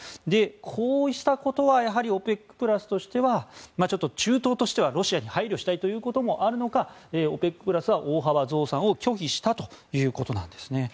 こうしたことはやはりＯＰＥＣプラスとしてはちょっと中東としてはロシアに配慮したいということもあるのかＯＰＥＣプラスは大幅増産を拒否したということなんです。